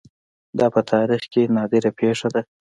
دا په تاریخ کې نادره پېښه ده